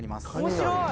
面白い。